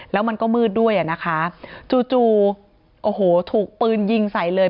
แล้วมันก็มืดด้วยอ่ะนะคะจู่จู่โอ้โหถูกปืนยิงใส่เลย